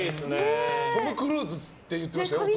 トム・クルーズって言ってましたよ、お父さん。